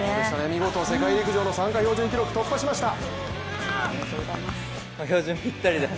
見事、世界陸上の標準記録を突破しました。